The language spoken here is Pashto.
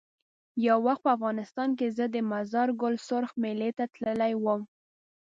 یو وخت په افغانستان کې زه د مزار ګل سرخ میلې ته تللی وم.